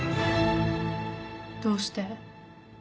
どうして？